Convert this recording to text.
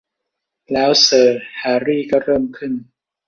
แล้วเซอร์ แฮรี่ ก็เริ่มขึ้น